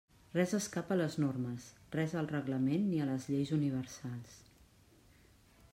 Res escapa a les normes, res al reglament ni a les lleis universals.